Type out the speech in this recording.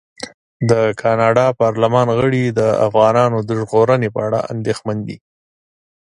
د کاناډا پارلمان غړي د افغانانو د ژغورنې په اړه اندېښمن دي.